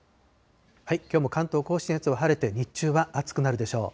きょうも関東甲信越は晴れて、日中は暑くなるでしょう。